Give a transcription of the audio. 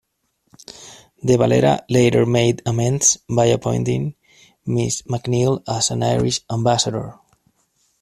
De Valera later made amends by appointing Mrs McNeill as an Irish ambassador.